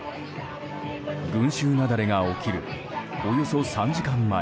群衆雪崩が起きるおよそ３時間前。